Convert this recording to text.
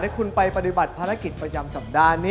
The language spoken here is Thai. คุณไปปฏิบัติภารกิจประจำสัปดาห์